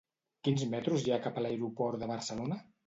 Quins metros hi ha cap a l'aeroport de Barcelona?